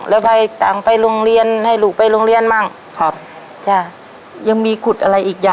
แล้วก็ต่างไปโรงเรียนให้ลูกไปโรงเรียนบ้างครับจ้ะยังมีขุดอะไรอีกอย่าง